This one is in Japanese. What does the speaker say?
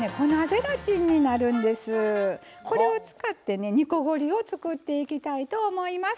これを使ってね煮こごりを作っていきたいと思います。